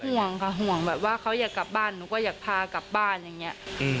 ห่วงค่ะห่วงแบบว่าเขาอยากกลับบ้านหนูก็อยากพากลับบ้านอย่างนี้